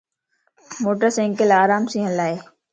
موٽر سينڪل آرام سين ھلائي